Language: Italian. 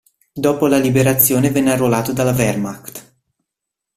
Dopo la sua liberazione venne arruolato dalla Wehrmacht.